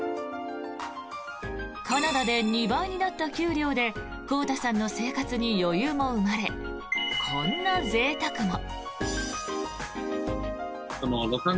カナダで２倍になった給料でこうたさんの生活に余裕も生まれこんなぜいたくも。